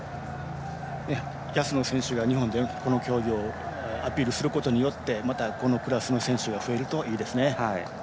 安野選手が日本で、この競技をアピールすることによってまた、このクラスの選手が増えるといいですね。